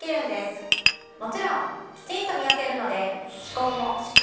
もちろんきちんとみがけるので。